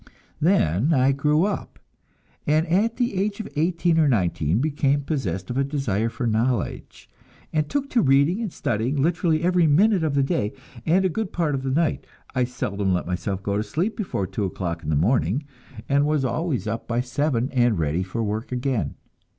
Then I grew up, and at the age of eighteen or nineteen became possessed of a desire for knowledge, and took to reading and studying literally every minute of the day and a good part of the night. I seldom let myself go to sleep before two o'clock in the morning, and was always up by seven and ready for work again.